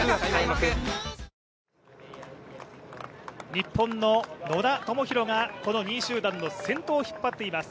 日本の野田明宏がこの２位集団の先頭を引っ張っています。